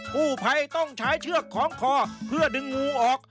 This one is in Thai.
ผู้ภัยต้องใช้เชือกคล้องคอเพื่อดึงงูออก